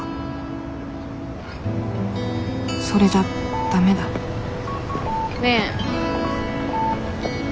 それじゃダメだねえ。